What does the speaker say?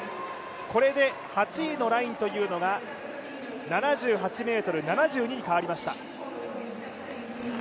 これで８位のラインが７８ｍ７２に変わりました。